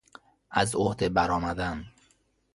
از عهده برآمدن